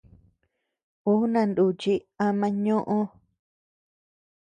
Uu nanuuchi ama ñoʼö.